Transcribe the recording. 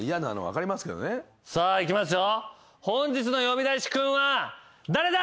さあいきますよ。